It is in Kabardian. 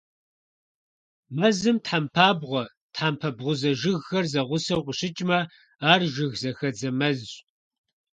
Мэзым тхьэмпабгъуэ, тхьэмпэ бгъузэ жыгхэр зэгъусэу къыщыкӀмэ, ар жыгзэхэдзэ мэзщ.